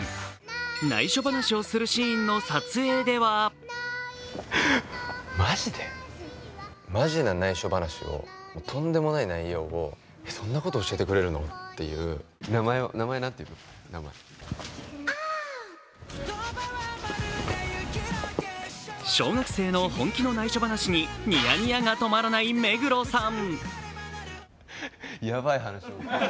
ないしょ話をするシーンの撮影では小学生の本気の内緒話にニヤニヤが止まらない目黒さん。